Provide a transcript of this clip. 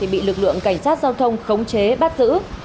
bị lực lượng cảnh sát giao thông khống chế bắt giữ